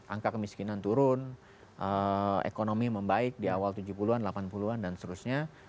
angka kemiskinan turun ekonomi membaik di awal tujuh puluh an delapan puluh an dan seterusnya